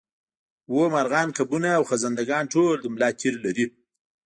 هو مارغان کبونه او خزنده ګان ټول د ملا تیر لري